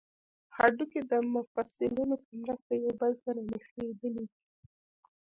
هډوکي د مفصلونو په مرسته یو بل سره نښلیدلي دي